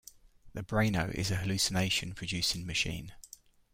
The braino is a hallucination-producing machine.